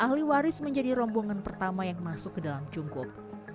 ahli waris menjadi rombongan pertama yang masuk ke dalam cungkup